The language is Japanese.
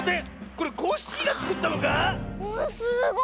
これコッシーがつくったのか⁉すごい！